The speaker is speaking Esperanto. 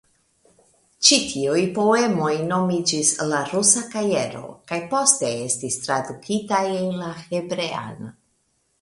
Ĉi tiuj poemoj nomiĝis "La rusa kajero" kaj poste estis tradukitaj en la hebrean.